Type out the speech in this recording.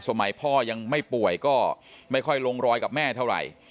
สมัยพ่อยังไม่ป่วยก็ไม่ค่อยลงรอยกับแม่เท่าไหร่